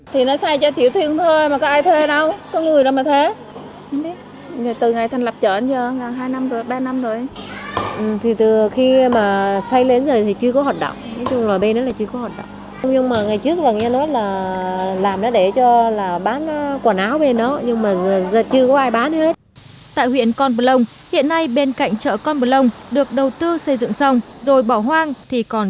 tại huyện con plong hiện nay bên cạnh chợ con plong được đầu tư xây dựng xong rồi bỏ hoang thì còn